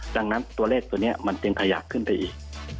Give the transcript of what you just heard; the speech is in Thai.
ดังนั้นตัวเลขตัวนี้มันจึงขยับขึ้นไปอีก